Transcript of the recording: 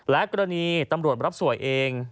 และกรณีตำรวจรับสวยเอง